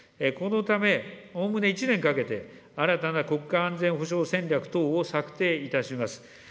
このため、おおむね１年かけて、新たな国家安全保障戦略等を策定いたします。